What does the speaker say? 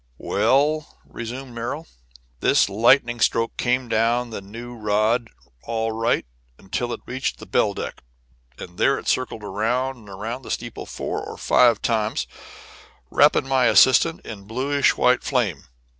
"Well," resumed Merrill, "this lightning stroke came down the new rod all right until it reached the bell deck, and there it circled round and round the steeple four or five times, wrapping my assistant in bluish white flame.